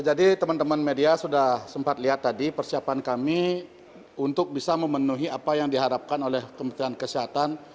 jadi teman teman media sudah sempat lihat tadi persiapan kami untuk bisa memenuhi apa yang diharapkan oleh kementerian kesehatan